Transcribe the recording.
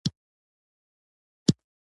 په پښتو لیکل خبري کول لوستل تعصب نه دی